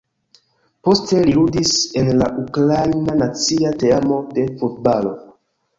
Poste li ludis en la Ukraina nacia teamo de futbalo.